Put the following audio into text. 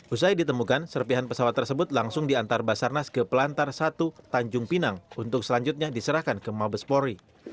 usai ditemukan serpihan pesawat tersebut langsung diantar basarnas ke pelantar satu tanjung pinang untuk selanjutnya diserahkan ke mabespori